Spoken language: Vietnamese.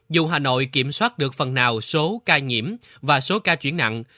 dù hà nội kiểm soát được phần nào số ca nhiễm và số ca chuyển nặng